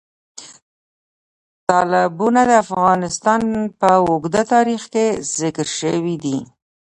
تالابونه د افغانستان په اوږده تاریخ کې ذکر شوی دی.